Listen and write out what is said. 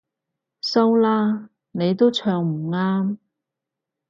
收啦，你都唱唔啱